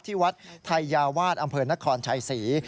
ที่วัดไทยาวาสอแนะกถรรยาครชายศรี